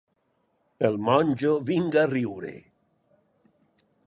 El monjo vinga a riure.